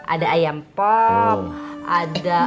ada ayam pop ada